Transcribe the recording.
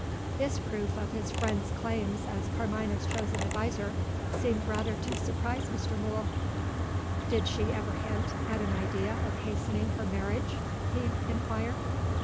This proof of his friend's claims as Carmina's chosen adviser, seemed rather to surprise Mr. Mool. "Did she ever hint at an idea of hastening her marriage?" he inquired.